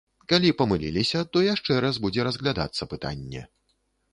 Калі памыліліся, то яшчэ раз будзе разглядацца пытанне.